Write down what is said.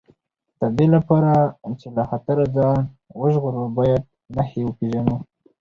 د دې لپاره چې له خطره ځان وژغورو باید نښې وپېژنو.